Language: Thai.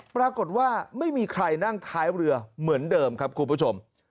ปรากฏว่าไม่มีใครนั่งท้ายเรือเหมือนเดิมครับคุณผู้ชม